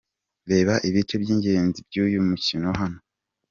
Reba ibice by'ingenzi by'uyu mukino hano:.